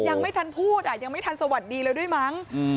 ยังไม่ทันพูดอ่ะยังไม่ทันสวัสดีแล้วด้วยมั้ง